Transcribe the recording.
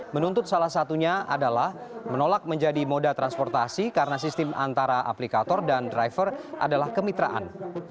menuntut salah satunya adalah menolak menjadi moda transportasi karena sistem antara aplikator dan driver adalah kemitraan